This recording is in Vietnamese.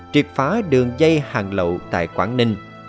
triệt phá đường dây hàng lậu tại quảng ninh